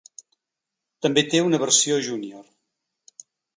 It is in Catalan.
També té una versió júnior.